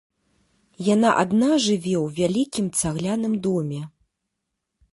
Яна адна жыве ў вялікім цагляным доме.